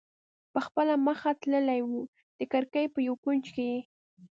په خپله مخه تللی و، د کړکۍ په یو کونج کې یې.